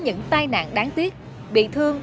những tai nạn đáng tiếc bị thương